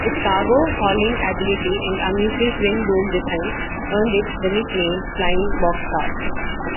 Its cargo-hauling ability and unusual twin-boom design earned it the nickname "Flying Boxcar".